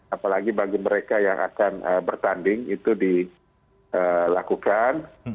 apalagi bagi mereka yang akan bertanding itu dilakukan